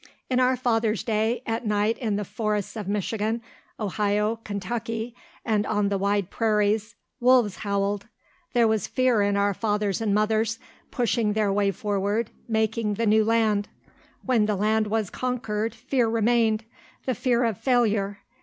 In our father's day, at night in the forests of Michigan, Ohio, Kentucky, and on the wide prairies, wolves howled. There was fear in our fathers and mothers, pushing their way forward, making the new land. When the land was conquered fear remained, the fear of failure.